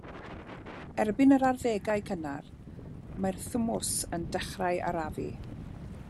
Erbyn yr arddegau cynnar, mae'r thymws yn dechrau arafu.